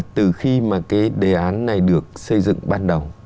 từ khi mà cái đề án này được xây dựng ban đầu